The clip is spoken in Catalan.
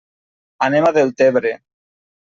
Anem a Deltebre.